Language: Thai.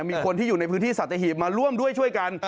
มีคนที่อยู่ในพื้นที่สัตหีบมาร่วมด้วยช่วยกัน